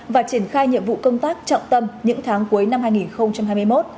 và triển khai nhiệm vụ công tác trọng tâm những tháng cuối năm hai nghìn hai mươi một